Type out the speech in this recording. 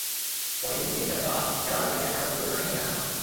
পরে দুপুরে নিজামের বাবা হেলাল মিয়াকে আটক করে থানায় নিয়ে আসা হয়।